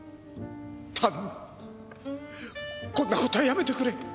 頼むこんな事はやめてくれ。